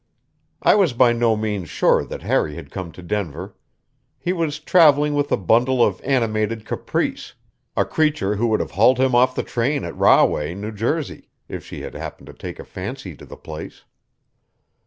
I was by no means sure that Harry had come to Denver. He was traveling with a bundle of animated caprice, a creature who would have hauled him off the train at Rahway, New Jersey, if she had happened to take a fancy to the place.